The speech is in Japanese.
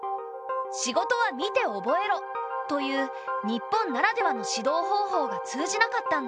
「仕事は見て覚えろ」という日本ならではの指導方法が通じなかったんだ。